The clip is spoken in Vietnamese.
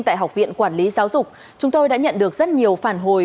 tại học viện quản lý giáo dục chúng tôi đã nhận được rất nhiều phản hồi